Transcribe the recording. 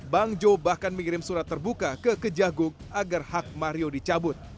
bang jo bahkan mengirim surat terbuka ke kejagung agar hak mario dicabut